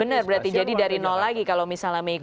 benar berarti jadi dari lagi kalau misalnya mengikuti